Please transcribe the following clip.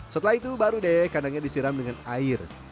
setelah itu baru deh kandangnya disiram dengan air